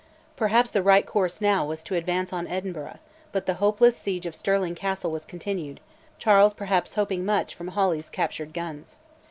Perhaps the right course now was to advance on Edinburgh, but the hopeless siege of Stirling Castle was continued Charles perhaps hoping much from Hawley's captured guns.